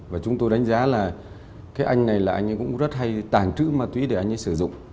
và chúng tôi đánh giá là cái anh này là anh ấy cũng rất hay tàn trữ ma túy để anh ấy sử dụng